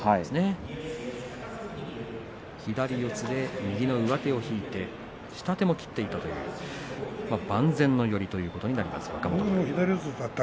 左四つで右の上手を引いて下手も切っていたという万全の寄りということになります若元春。